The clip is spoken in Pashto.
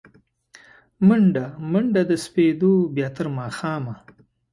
مڼډه، منډه د سپېدو، بیا تر ماښامه